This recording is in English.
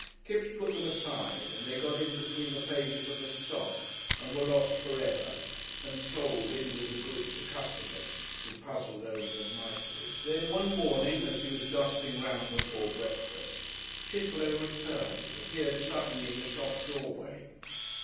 Kipps put them aside and they got in between the pages of the stock and were lost forever and sold in with the goods to customers who puzzled over them mightily. Then one morning as he was dusting round before breakfast, Chitterlow returned, appeared suddenly in the shop doorway.